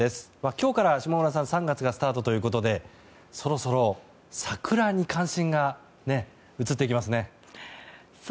今日から３月がスタートということでそろそろ桜に関心が移ってきますね。